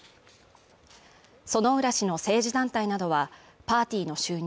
薗浦氏の政治団体などはパーティーの収入